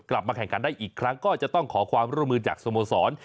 กลับมาแข่งขันได้อีกครั้งก็จะต้องขอความร่วมมือจากสโมสร